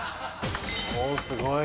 すごい！